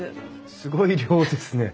すごい量ですね。